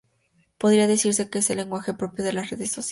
Podría decirse que es el lenguaje propio de las redes sociales.